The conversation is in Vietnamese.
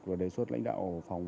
và đề xuất lãnh đạo phòng